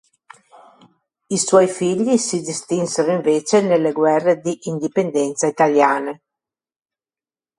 I suoi figli si distinsero invece nelle guerre di indipendenza italiane.